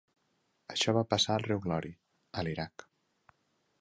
Això va passar al riu Glory a l'Iraq.